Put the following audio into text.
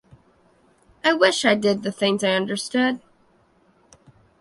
I wish I did the things I understood